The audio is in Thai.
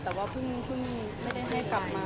แต่ว่าเพิ่งไม่ได้ให้กลับมา